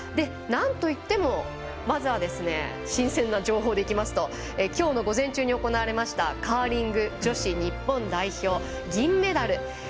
なんといってもまずは新鮮な情報でいいますと今日の午前中に行われましたカーリング女子日本代表銀メダル。